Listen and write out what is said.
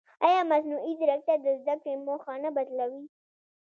ایا مصنوعي ځیرکتیا د زده کړې موخه نه بدلوي؟